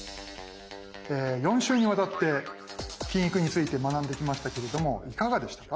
４週にわたって「金育」について学んできましたけれどもいかがでしたか？